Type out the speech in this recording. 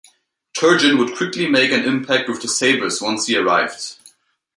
Turgeon would quickly make an impact with the Sabres once he arrived.